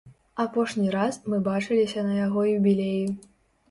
Апошні раз мы бачыліся на яго юбілеі.